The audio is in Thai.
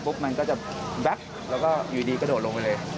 มันก็จะแบ็คแล้วก็อยู่ดีกระโดดลงไปเลย